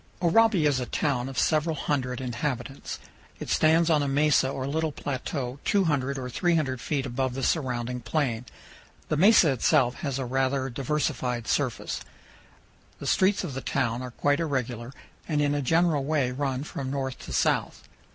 Oraibi is a town of several hundred inhabitants. It stands on a mesa or little plateau 200 or 300 feet above the surrounding plain. The mesa itself has a rather diversified surface. The streets of the town are quite irregular, and in a general way run from north to south.